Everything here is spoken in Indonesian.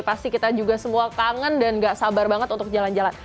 pasti kita juga semua kangen dan gak sabar banget untuk jalan jalan